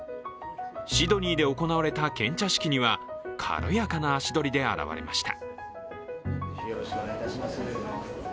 シドニーで行われた献茶式では軽やかな足取りであらわれました。